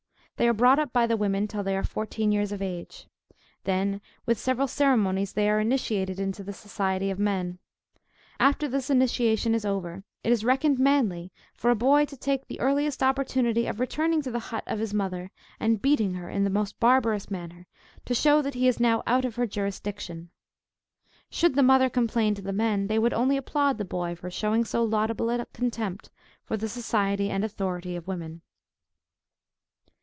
They are brought up by the women, till they are about fourteen years of age. Then, with several ceremonies they are initiated into the society of men. After this initiation is over it is reckoned manly for a boy to take the earliest opportunity of returning to the hut of his mother, and beating her in the most barbarous manner, to show that he is now out of her jurisdiction. Should the mother complain to the men, they would only applaud the boy for showing so laudable a contempt for the society and authority of women.